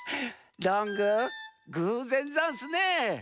どんぐーぐうぜんざんすね。